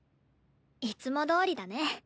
いつもどおりだね。